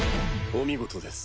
お見事です